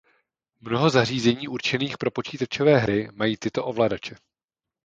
Mnoho zařízení určených pro počítačové hry mají tyto ovladače.